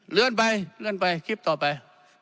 เลื่อนไปเลื่อนไปคลิปต่อไป